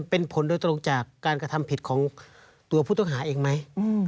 เป็นผลโดยตรงจากการกระทำผิดของตัวผู้ต้องหาเองไหม